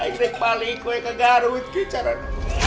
aduh paling gue gak ngaruhin kejaran